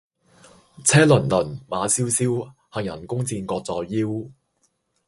車轔轔，馬蕭蕭，行人弓箭各在腰。